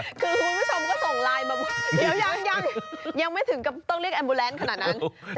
คุณผู้ชมก็ส่งไลน์มายังไม่ถึงกับต้องเรียกแอมบูแลนต์ขนาดนั้น